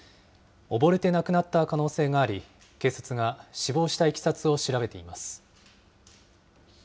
溺れて亡くなった可能性があり、警察が死亡したいきさつを調べています。